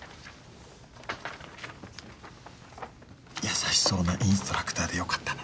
優しそうなインストラクターでよかったな。